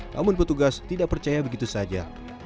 namun petugas tidak percaya begitu saja